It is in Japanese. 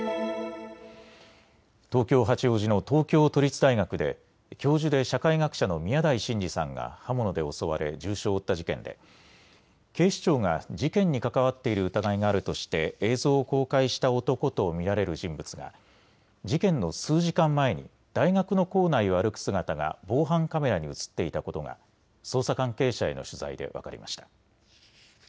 東京八王子の東京都立大学で教授で社会学者の宮台真司さんが刃物で襲われ重傷を負った事件で警視庁が事件に関わっている疑いがあるとして映像を公開した男と見られる人物が事件の数時間前に大学の構内を歩く姿が防犯カメラに写っていたことが捜査関係者への取材で分かりました。